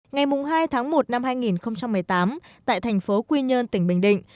ngày hai tháng một năm hai nghìn một mươi tám tại thành phố quy nhơn tỉnh bình định